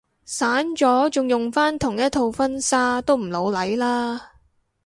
散咗仲用返同一套婚紗都唔老嚟啦